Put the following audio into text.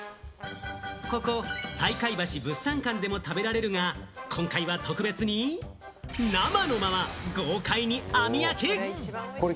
ここ西海橋物産館でも食べられるが、今回は特別に生のまま豪快に網焼き。